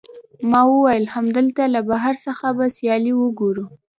ما وویل، همدلته له بهر څخه به سیالۍ وګورو.